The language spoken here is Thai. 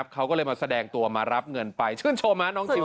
เขาก็เลยมาแสดงตัวมารับเงินไปชื่นชมน้องคิว